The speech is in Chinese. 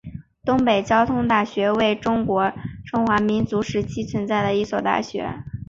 东北交通大学为中华民国时期存在的一所大学。